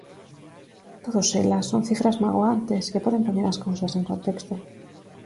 Todos elas son cifras magoantes que poden poñer as cousas en contexto.